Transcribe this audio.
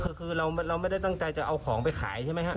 ก็คือคือเราเราไม่ได้ตั้งใจจะเอาของไปขายใช่ไหมฮะ